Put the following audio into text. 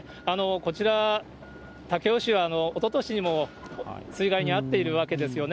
こちら、武雄市は、おととしにも水害に遭っているわけですよね。